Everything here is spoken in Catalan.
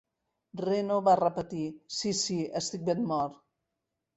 Reno va repetir: "Sí, sí, estic ben mort".